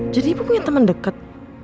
jadi ibu punya temen deket